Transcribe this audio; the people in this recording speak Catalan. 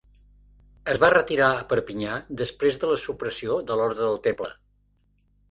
Es va retirar a Perpinyà després de la supressió de l'Orde del Temple.